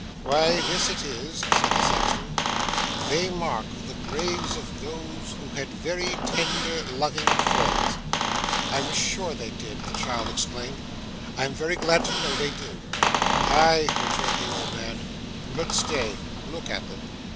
'Why, this it is,' said the sexton. 'They mark the graves of those who had very tender, loving friends.' 'I was sure they did!' the child exclaimed. 'I am very glad to know they do!' 'Aye,' returned the old man, 'but stay. Look at them.